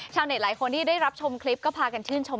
หลายคนที่ได้รับชมคลิปก็พากันชื่นชม